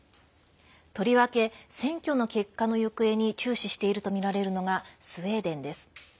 とりわけ選挙の結果の行方に注視しているとみられるのがスウェーデンです。